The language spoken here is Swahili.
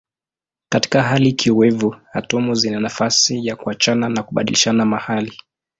Katika hali kiowevu atomu zina nafasi ya kuachana na kubadilishana mahali.